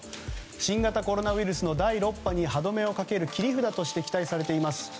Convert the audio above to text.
新型コロナウイルスの第６波に歯止めをかける切り札として期待されています